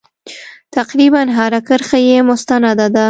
تقریبا هره کرښه یې مستنده ده.